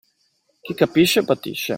Chi capisce, patisce.